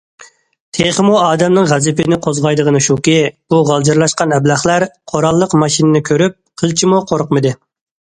تېخىمۇ ئادەمنىڭ غەزىپىنى قوزغايدىغىنى شۇكى، بۇ غالجىرلاشقان ئەبلەخلەر قوراللىق ماشىنىنى كۆرۈپ قىلچىمۇ قورقمىدى.